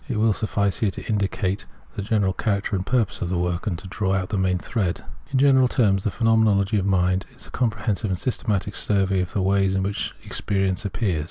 It will suffice here to indicate the general character and purpose of the work, and to draw out the main thread.* In general terms, the Phenomenology of Mind is a com prehensive and systematic survey of the ways in which experience appears.